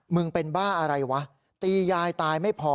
มันเป็นบ้าอะไรวะตียายตายไม่พอ